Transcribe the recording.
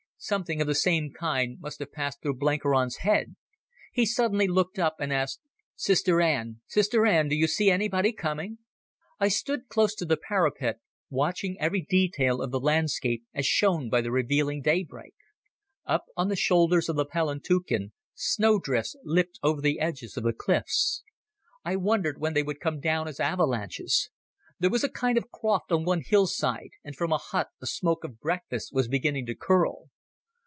Something of the same kind must have passed through Blenkiron's head. He suddenly looked up and asked, "Sister Anne, Sister Anne, do you see anybody coming?" I stood close to the parapet, watching every detail of the landscape as shown by the revealing daybreak. Up on the shoulders of the Palantuken, snowdrifts lipped over the edges of the cliffs. I wondered when they would come down as avalanches. There was a kind of croft on one hillside, and from a hut the smoke of breakfast was beginning to curl.